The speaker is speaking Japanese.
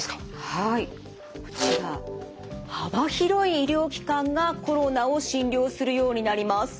はいこちら幅広い医療機関がコロナを診療するようになります。